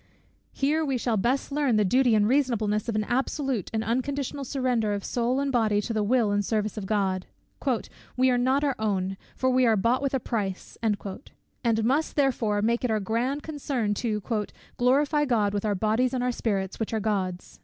Here we shall best learn the duty and reasonableness of an absolute and unconditional surrender of soul and body to the will and service of God. "We are not our own; for we are bought with a price," and must "therefore" make it our grand concern to "glorify God with our bodies and our spirits, which are God's."